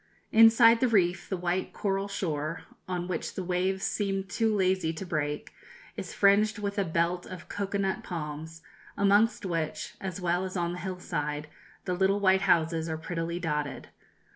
Inside the reef the white coral shore, on which the waves seemed too lazy to break, is fringed with a belt of cocoa nut palms, amongst which, as well as on the hillside, the little white houses are prettily dotted.